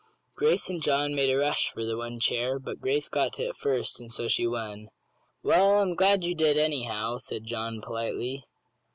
Grace and John made a rush for the one chair, but Grace got to it first, and so she won. "Well, I'm glad you did, anyhow," said John, politely.